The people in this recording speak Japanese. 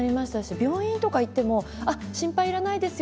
病院に行っても心配いらないですよ